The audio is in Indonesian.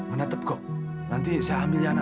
menatap kok nanti saya ambil yana